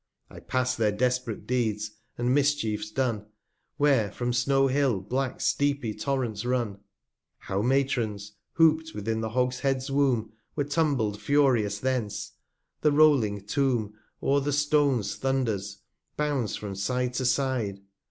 I pass their desperate Deeds, and Mischiefs done, 329 Where from Snow hill black steepy Torrents run ; How Matrons, hoop'd within the Hogshead's Womb, Were tumbled furious thence, the rolling Tomb O'er the Stones thunders, bounds from Side to Side.